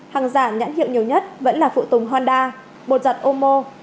hàng giả nhãn hiệu nhiều nhất vẫn là phụ tùng honda bột giặt omo